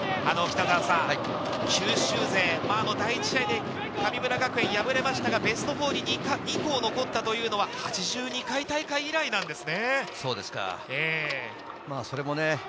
九州勢、第１試合で神村学園は敗れましたが、ベスト４に２校残ったというのは、８２回大会以来なんですね。